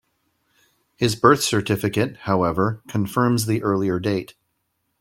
His birth certificate, however, confirms the earlier date.